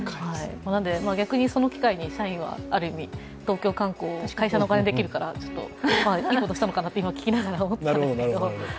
逆にその機会に社員はある意味、東京観光を会社のお金でできるからいいことしたのかなって聞いてて思ったんですけど。